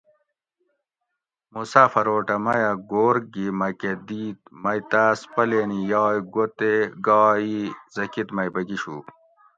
مسافروٹہ میہ گھور گی مکہ دیت مئی تاس پلینی یائی گو تے گائے ای زکیت مئی بگیشو